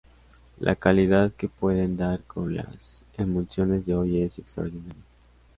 La calidad que pueden dar con las emulsiones de hoy es extraordinaria.